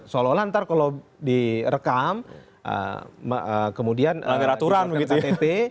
soal olah nanti kalau direkam kemudian ktp